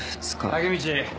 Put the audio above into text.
タケミチ。